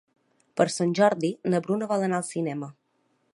Per Sant Jordi na Bruna vol anar al cinema.